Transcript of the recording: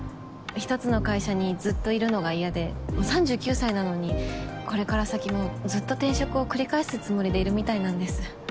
１つの会社にずっといるのが嫌でもう３９歳なのにこれから先もずっと転職を繰り返すつもりでいるみたいなんです。